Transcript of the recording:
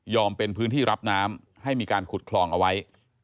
เป็นพื้นที่รับน้ำให้มีการขุดคลองเอาไว้